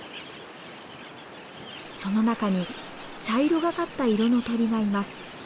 その中に茶色がかった色の鳥がいます。